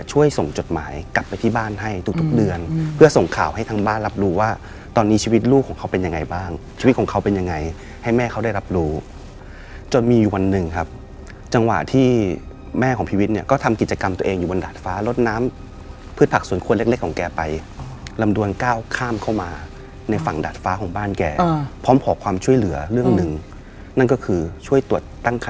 จดหมายกลับไปที่บ้านให้ทุกทุกเดือนเพื่อส่งข่าวให้ทั้งบ้านรับรู้ว่าตอนนี้ชีวิตลูกของเขาเป็นยังไงบ้างชีวิตของเขาเป็นยังไงให้แม่เขาได้รับรู้จนมีวันหนึ่งครับจังหวะที่แม่ของพิวิตเนี่ยก็ทำกิจกรรมตัวเองอยู่บนดาดฟ้ารดน้ำพืชผักสวนครัวเล็กของแกไปลำดวนก้าวข้ามเข้ามาในฝั่งดาด